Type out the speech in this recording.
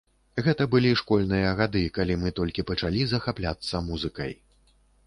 Гэта былі школьныя гады, калі мы толькі пачалі захапляцца музыкай.